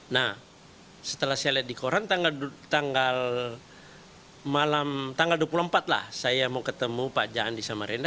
nah setelah saya lihat di koran tanggal dua puluh empat lah saya mau ketemu pak jaan di samarinda